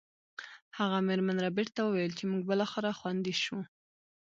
هغه میرمن ربیټ ته وویل چې موږ بالاخره خوندي شو